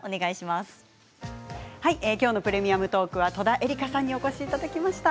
今日の「プレミアムトーク」は戸田恵梨香さんにお越しいただきました。